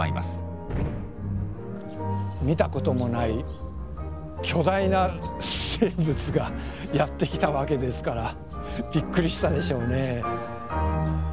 見たこともない巨大な生物がやってきたわけですからびっくりしたでしょうね。